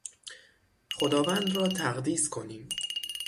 خداوند را تقدیس کنیم.